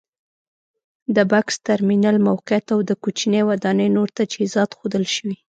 د بکس ترمینل موقعیت او د کوچنۍ ودانۍ نور تجهیزات ښودل شوي.